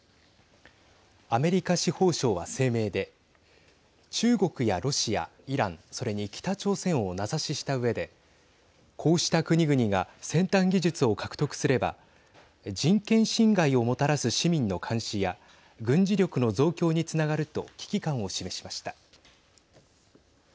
アメリカ司法省は声明で中国やロシアイラン、それに北朝鮮を名指ししたうえでこうした国々が先端技術を獲得すれば人権侵害をもたらす市民の監視や軍事力の増強につながると危機感を示しました。